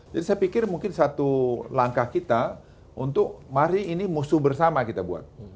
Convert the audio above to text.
jadi saya pikir mungkin satu langkah kita untuk mari ini musuh bersama kita buat